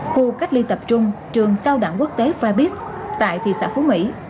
khu cách ly tập trung trường cao đảng quốc tế fabis tại thị xã phú mỹ